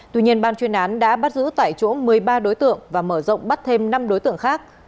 tuy nhiên ban chuyên án đã bắt giữ tại chỗ một mươi ba đối tượng và mở rộng bắt thêm năm đối tượng khác